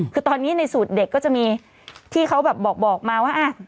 คือตอนนี้ในสูตรเด็กก็จะมีที่เขาแบบบอกมาว่า